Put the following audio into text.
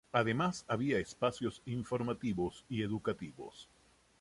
Además había espacios informativos y educativos.